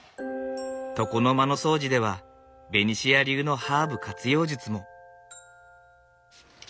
床の間の掃除ではベニシア流のハーブ活用術も。